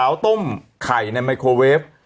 ต้มไข่ในไมโครเวฟ